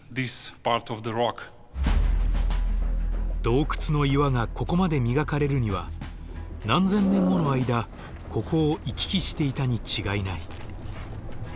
洞窟の岩がここまで磨かれるには何千年もの間ここを行き来していたに違いない。